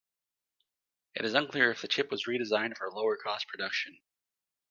It is unclear if the chip was redesigned for lower-cost production.